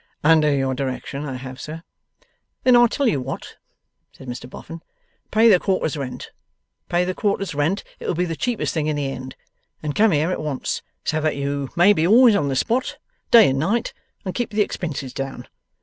'Under your direction, I have, sir.' 'Then I tell you what,' said Mr Boffin; 'pay the quarter's rent pay the quarter's rent, it'll be the cheapest thing in the end and come here at once, so that you may be always on the spot, day and night, and keep the expenses down.